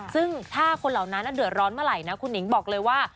ซึ่งถ้าคนเหล่านั้นเดือดร้อนเมื่อไหร่นะคุณหนิงบอกเลยว่า